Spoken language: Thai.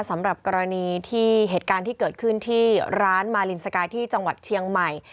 สำหรับกรณีที่เหตุการณ์ที่เกิดขึ้นที่ร้านมาลินสกายที่จังหวัดเชียงใหม่